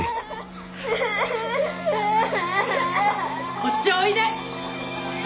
こっちおいで！